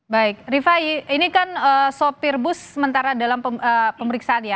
baik rifai ini kan sopir bus sementara dalam pemeriksaan ya